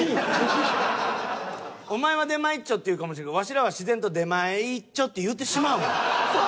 お前は出前一丁って言うかもしれんけどワシらは自然とでまえいっちょって言うてしまうもん。